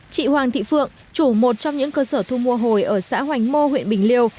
chị hoàng thị phượng chủ một trong những cơ sở thu mua hồi ở xã hoành mô huyện bình liêu